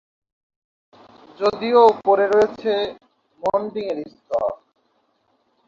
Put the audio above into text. যদিও এর উপরে রয়েছে মোল্ডিং-এর স্তর।